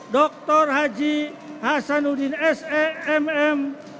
dr haji hasanuddin se mm